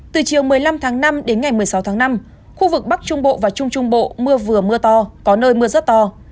từ chiều một mươi năm tháng năm đến ngày một mươi sáu tháng năm khu vực bắc trung bộ và trung trung bộ mưa vừa mưa to có nơi mưa rất to